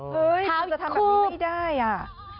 เฮ้ยคุณจะทำแบบนี้ไม่ได้